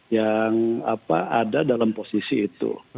yang ada dalam posisi itu